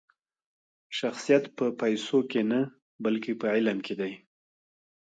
شخصیت په پیسو کښي نه؛ بلکي په علم کښي دئ.